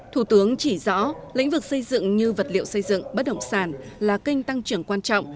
thủ tướng chỉ rõ lĩnh vực xây dựng như vật liệu xây dựng bất động sản là kênh tăng trưởng quan trọng